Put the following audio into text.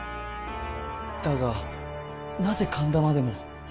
だがなぜ神田までも？